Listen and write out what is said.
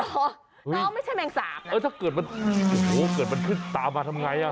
โต๊ะไม่ใช่แม่งสามถ้าเกิดมันโอ้โฮเกิดมันขึ้นตามมาทำยังไง